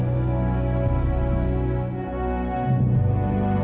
ngomong sama siapapun lagi yang selalu cabut